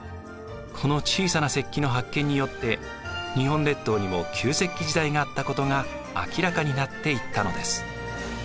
この小さな石器の発見によって日本列島にも旧石器時代があったことが明らかになっていったのです。